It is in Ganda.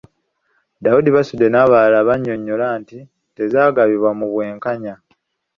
Daudi Basudde n'abalala bannyonnyola nti tezaagabibwa mu bwenkanya.